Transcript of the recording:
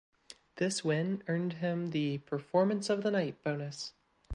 This win earned him the "Performance of the Night" bonus.